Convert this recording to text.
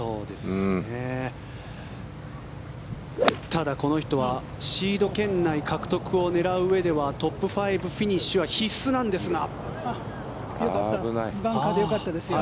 ただ、この人はシード圏内獲得を狙ううえではトップ５フィニッシュは必須なんですが。